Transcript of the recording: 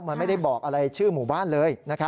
มันไม่ได้บอกอะไรชื่อหมู่บ้านเลย